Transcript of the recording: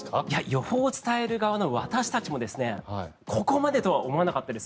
予報を伝える側の私たちもここまでとは思わなかったです。